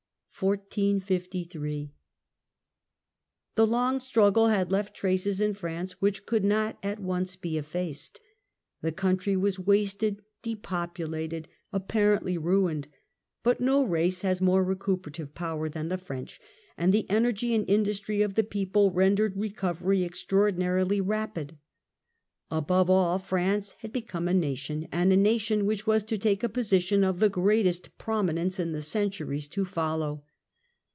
^^''''^^^^ The long struggle had left traces in France which Results of could not at once be effaced. The country was wasted, France^ °" depopulated, apparently ruined : but no race has more recuperative power than the French, and the energy and industry of the people rendered recovery extraordin arily rapid : above all France had become a nation, and a nation which was to take a position of the greatest prominence in the centuries to follow.